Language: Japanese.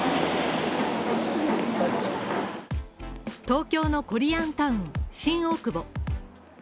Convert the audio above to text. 東京のコリアンタウン、新大久保。